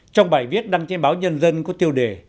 trong bài viết đăng trên báo nhân dân có tiêu đề